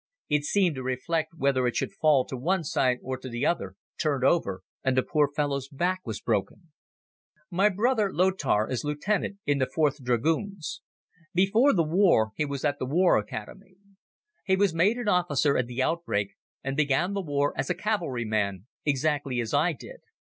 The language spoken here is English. It seemed to reflect whether it should fall to the one side or to the other, turned over and the poor fellow's back was broken. My brother Lothar is Lieutenant in the 4th Dragoons. Before the war he was at the War Academy. He was made an officer at the outbreak and began the war as a cavalry man exactly as I did.